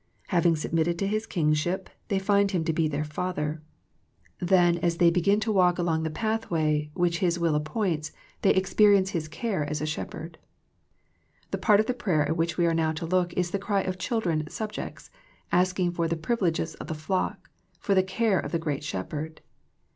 Having submitted to His Kingship, they find Him to be their Father. Then as they begin to walk 85 86 THE PEACTICE OF PEAYER along the pathway which His will appoints, they experience His care as a Shepherd. The part of the prayer at which we are now to look is the cry of children subjects, asking for the privileges of the flock, for the care of the one great Shepherd.